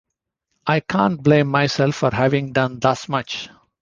I cannot blame myself for having done thus much.